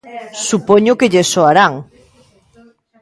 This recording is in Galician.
Supoño que lles soarán.